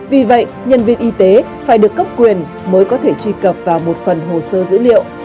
vì vậy nhân viên y tế phải được cấp quyền mới có thể truy cập vào một phần hồ sơ dữ liệu